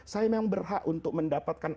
saya memang berhak untuk mendapatkan